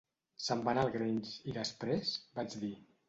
"Se'n van al Grange, i després?" vaig dir.